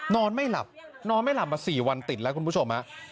นอนไม่หลับนอนไม่หลับมา๔วันติดแล้วคุณผู้ชมฮะ